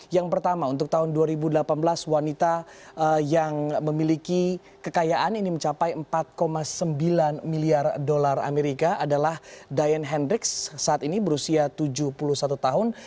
yang pertama untuk tahun dua ribu delapan belas wanita yang memiliki kekayaan ini mencapai empat sembilan miliar dolar amerika adalah dian hendrix saat ini berusia tujuh puluh satu tahun